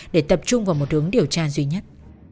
để tập trung vào một hướng điều tra duy nhất